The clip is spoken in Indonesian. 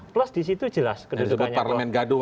plus di situ jelas kedudukannya